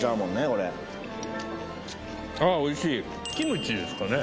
これああおいしいキムチですかね・